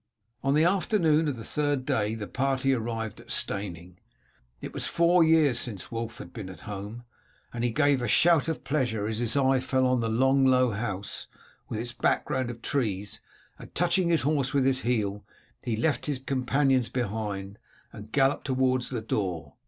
On the afternoon of the third day the party arrived at Steyning. It was four years since Wulf had been at home, and he gave a shout of pleasure as his eye fell on the long low house with its background of trees, and touching his horse with his heel he left his companions behind and galloped towards the door.